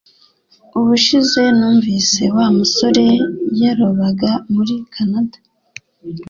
Ubushize numvise, Wa musore yarobaga muri Kanada